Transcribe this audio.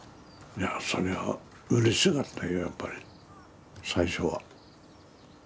いやそれはうれしかったよやっぱり最初は。